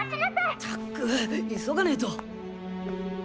ったく急がねえと。